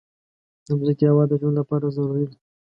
د مځکې هوا د ژوند لپاره ضروري ده.